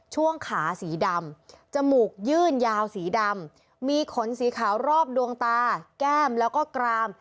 ช่วงขาสีดำจมูกยื่นยาวสีดำมีขนสีขาวรอบดวงตาแก้มแล้วก็กราม